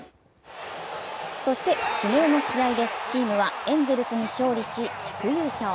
そして、昨日の試合でチームはエンゼルスに勝利し、地区優勝。